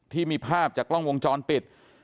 ที่มีภาพจากกล้องวงจรปิด